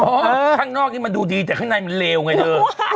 ข้างนอกนี้มันดูดีแต่ข้างในมันเลวไงเธอ